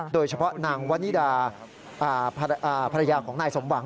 โดยเฉพาะนางวันนิดาภรรยาของนายสมหวัง